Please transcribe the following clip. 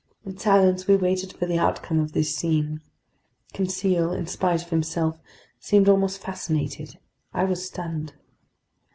In silence we waited for the outcome of this scene; Conseil, in spite of himself, seemed almost fascinated, I was stunned.